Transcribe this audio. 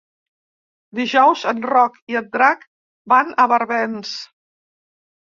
Dijous en Roc i en Drac van a Barbens.